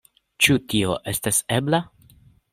Ĉu tio estas ebla?